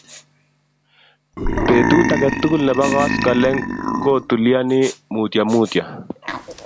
betut aketukul nebo koskoleny kootulionii mutyomutyo